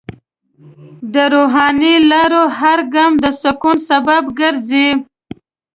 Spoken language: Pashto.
د روحاني لارو هر ګام د سکون سبب ګرځي.